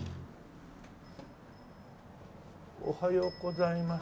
おはようございます。